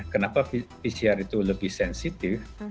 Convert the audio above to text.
kenapa pcr itu lebih sensitif